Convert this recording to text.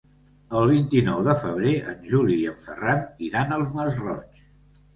El vint-i-nou de febrer en Juli i en Ferran iran al Masroig.